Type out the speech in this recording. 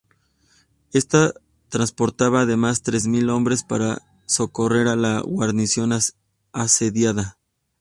Esta transportaba además tres mil hombres para socorrer a la guarnición asediada.